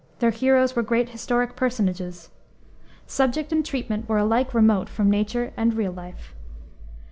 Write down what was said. Their heroes were great historic personages. Subject and treatment were alike remote from nature and real life.